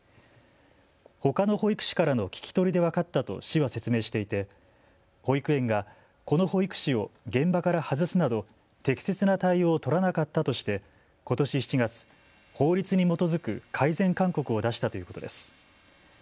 ほかの保育士からの聞き取りで分かったと、市は説明していて保育園がこの保育士を現場から外すなど適切な対応を取らなかったとしてことし７月、法律に基づく改善勧告を出したということです。